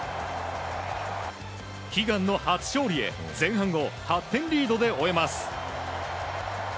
悲願の初勝利へ前半を８点リードで終えます。